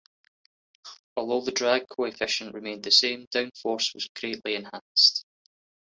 Although the drag coefficient remained the same, downforce was greatly enhanced.